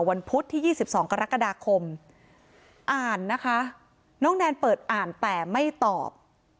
พุธที่๒๒กรกฎาคมอ่านนะคะน้องแนนเปิดอ่านแต่ไม่ตอบ